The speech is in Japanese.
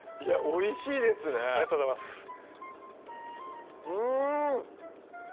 おいしいですねありがとうございますうん！